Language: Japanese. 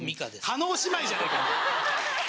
叶姉妹じゃねえかお前。